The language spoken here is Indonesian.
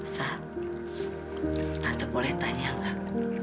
saat tante boleh tanya nggak